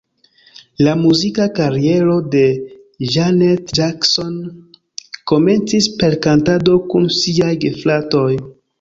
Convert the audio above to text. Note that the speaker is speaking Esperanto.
La muzika kariero de Janet Jackson komencis per kantado kun siaj gefratoj.